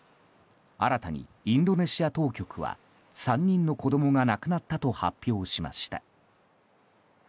新たに、インドネシア当局は３人の子供が亡くなったと発表しました。。